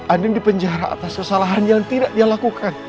andi di penjara atas kesalahan yang tidak dia lakukan